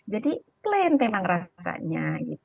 jadi plain memang rasanya